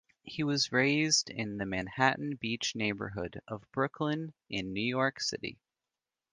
He was raised in the Manhattan Beach neighborhood of Brooklyn in New York City.